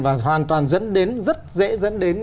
và hoàn toàn dẫn đến rất dễ dẫn đến